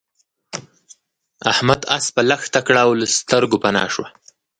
احمد اسپه لښته کړه او له سترګو پنا شو.